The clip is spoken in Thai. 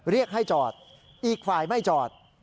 เรียกให้จอดอีกฝ่ายไม่จอด